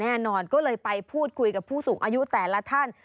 แน่นอนก็เลยไปพูดคุยกับผู้สูงอายุแต่ละท่าน